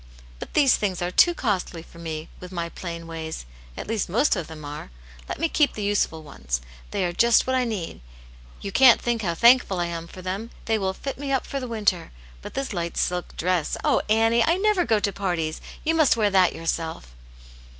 " But there things are too costly for me, with my plain ways ; at least most of them are. Let me keep the useful ones ; they are just what I need. You can't think how thankful I am for them, they will fit me up for the winter. But this light silk dress, oh, Annie I I never go to parties ; you must wear that yourself."